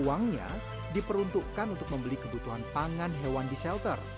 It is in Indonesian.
uangnya diperuntukkan untuk membeli kebutuhan pangan hewan di shelter